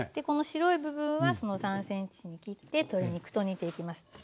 この白い部分は３ｃｍに切って鶏肉と煮ていきます。